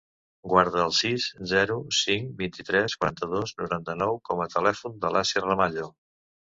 Guarda el sis, zero, cinc, vint-i-tres, quaranta-dos, noranta-nou com a telèfon de l'Asia Ramallo.